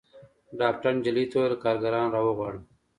ډاکتر نجلۍ ته وويل کارګران راوغواړه.